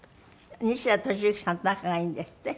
西田敏行さんと仲がいいんですって？